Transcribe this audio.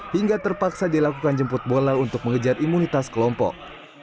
hingga terpaksa dilakukan jemput bola untuk mengejar imunitas kelompok